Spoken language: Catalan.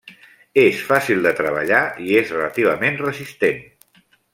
És fàcil de treballar i és relativament resistent.